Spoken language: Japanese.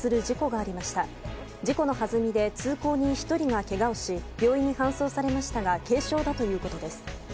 事故のはずみで通行人１人がけがをし病院に搬送されましたが軽傷だということです。